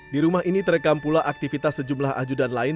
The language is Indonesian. di rumah ini terekam pula aktivitas sejumlah ajudan lain